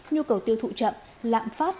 nhu cầu tiêu thụ chậm lạm phát